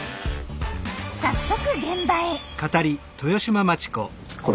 早速現場へ。